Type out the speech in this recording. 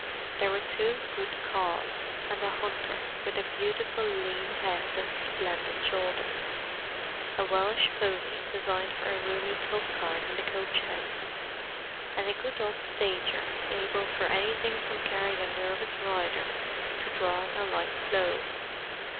There were two good cobs, and a hunter with a beautiful lean head and splendid shoulders; a Welsh pony designed for a roomy tub cart in the coach house; and a good old stager able for anything from carrying a nervous rider to drawing a light plough.